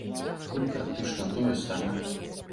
Тут практычна тое самае.